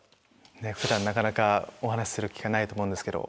普段なかなかお話しする機会ないと思うんですけど。